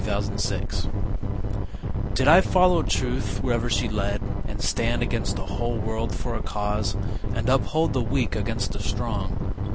Herman Altman Did I follow Truth wherever she led, And stand against the whole world for a cause, And uphold the weak against the strong?